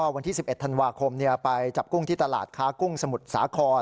วันที่๑๑ธันวาคมไปจับกุ้งที่ตลาดค้ากุ้งสมุทรสาคร